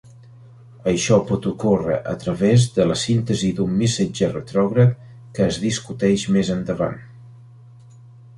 Això pot ocórrer a través de la síntesi d'un missatger retrògrad, que es discuteix més endavant.